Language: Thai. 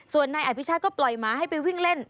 ส่วนนายอภิชาก็ปล่อยหมาให้ไปวิ่งเล่น